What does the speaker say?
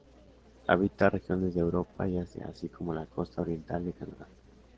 Habita regiones de Europa y Asia, así como la costa oriental de Canadá.